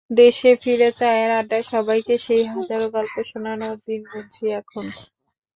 দেশে ফিরে চায়ের আড্ডায় সবাইকে সেই হাজারো গল্প শোনানোর দিন গুনছি এখন।